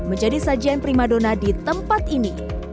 menjadi sajian prima dona di tempat ini